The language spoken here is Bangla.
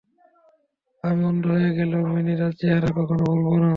আমি অন্ধ হয়ে গেলেও ম্যানির চেহারা কখনো ভুলবো না।